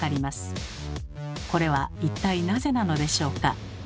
これは一体なぜなのでしょうか？